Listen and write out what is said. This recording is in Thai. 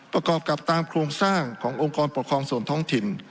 ประกอบกับตามโครงสร้างขององค์กรปกครองส่วนท้องถิ่น